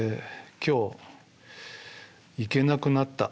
「今日行けなくなった」。